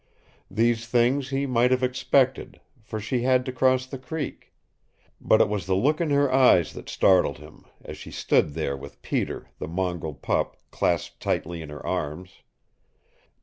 These things he might have expected, for she had to cross the creek. But it was the look in her eyes that startled him, as she stood there with Peter, the mongrel pup, clasped tightly in her arms.